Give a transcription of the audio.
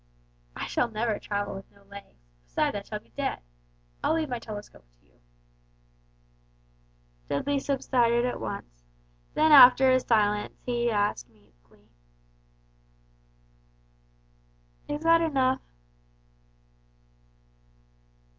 "I shall never travel with no legs besides I shall be dead. I'll leave my telescope to you." Dudley subsided at once; then after a silence he asked meekly, "Is that enough?"